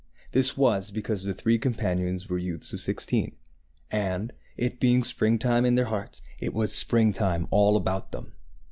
This was because the three companions were youths of sixteen; and, it being springtime in their hearts, it was springtime all about them.